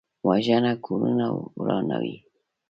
وژنه کورونه ورانوي